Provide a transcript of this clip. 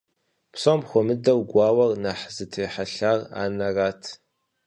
Псом хуэмыдэу гуауэр нэхъ зытехьэлъар анэрат.